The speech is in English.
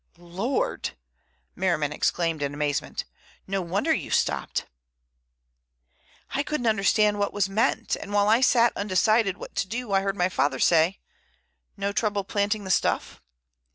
'" "Lord!" Merriman exclaimed in amazement. "No wonder you stopped!" "I couldn't understand what was meant, and while I sat undecided what to do I heard my father say, 'No trouble planting the stuff?